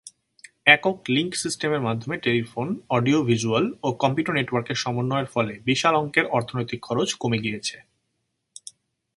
একক লিঙ্ক সিস্টেমের মাধ্যমে টেলিফোন, অডিও-ভিজুয়াল ও কম্পিউটার নেটওয়ার্কের সমন্বয়ের ফলে বিশাল অঙ্কের অর্থনৈতিক খরচ কমে গিয়েছে।